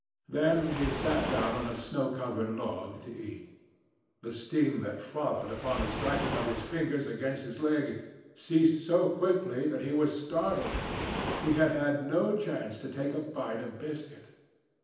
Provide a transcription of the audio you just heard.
Then he sat down on a snow covered log to eat. The sting that followed upon the striking of his fingers against his leg ceased so quickly that he was startled, he had had no chance to take a bite of biscuit.